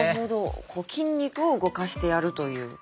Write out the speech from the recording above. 筋肉を動かしてやるという。